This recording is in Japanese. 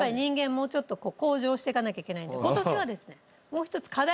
もうちょっと向上していかなきゃいけないんで今年はですね。